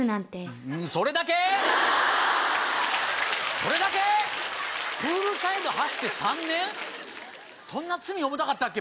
それだけ⁉プールサイド走って３年⁉そんな罪重たかったっけ